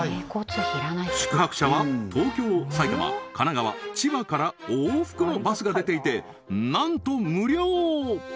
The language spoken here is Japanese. はい宿泊者は東京埼玉神奈川千葉から往復のバスが出ていてなんと無料！